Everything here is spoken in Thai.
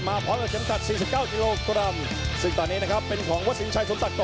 มาพร้อมกับเข็มขัด๔๙กิโลกรัมซึ่งตอนนี้เป็นของวัดสินชัยครับ